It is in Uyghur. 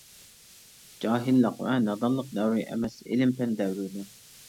جاھىللىق ۋە نادانلىق دەۋرى ئەمەس ئىلىم-پەن دەۋرىدۇر.